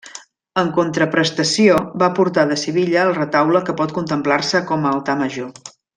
En contraprestació va portar, de Sevilla, el retaule que pot contemplar-se com a altar major.